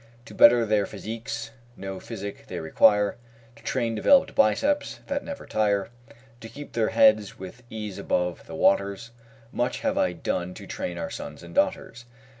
To better their physiques no physic they require To train developed biceps that never tire. To keep their heads with ease above the waters, Much have I done to train our sons and daughters.